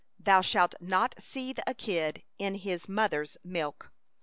Thou 14 shalt not seethe a kid in its mother's milk.